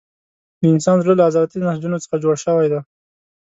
د انسان زړه له عضلاتي نسجونو څخه جوړ شوی دی.